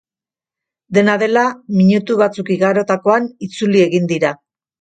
Dena dela, minutu batzuk igarotakoan itzuli egin dira.